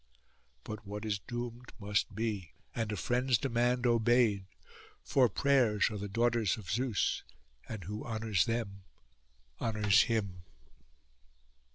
But what is doomed must be, and a friend's demand obeyed; for prayers are the daughters of Zeus, and who honours them honours him.